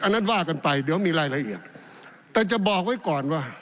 อันนั้นว่ากันไปเดี๋ยวมีรายละเอียดแต่จะบอกไว้ก่อนว่า